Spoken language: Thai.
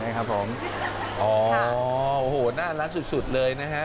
ออเฮ้อโอ้วหน้าล้านสุดเลยนะฮะ